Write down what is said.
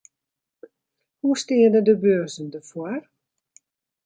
Hoe steane de beurzen derfoar?